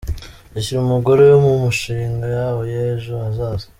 Ashyira umugore we mu mishinga yabo y’ejo hazaza.